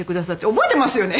覚えてますよね？